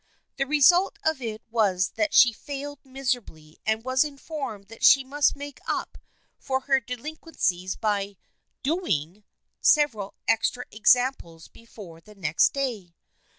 The result of it was that she failed miserably and was informed that she must make up for her delinquencies by " doing " several extra examples before the next day.